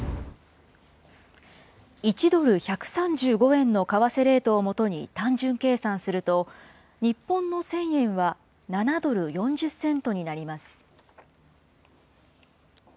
１ドル１３５円の為替レートをもとに単純計算すると、日本の１０００円は７ドル４０セントになります。